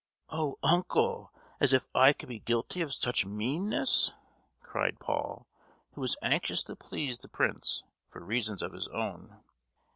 "Oh, uncle! As if I could be guilty of such meanness?" cried Paul, who was anxious to please the prince, for reasons of his own.